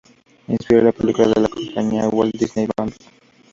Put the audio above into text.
Inspiró la película de la compañía Walt Disney, "Bambi".